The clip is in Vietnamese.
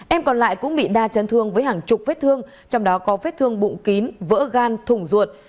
em còn lại cũng bị đa chấn thương với hàng chục vết thương trong đó có vết thương bụng kín vỡ gan thùng ruột